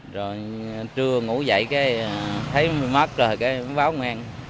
rồi trưa ngủ dậy thấy mất rồi mới báo nguyên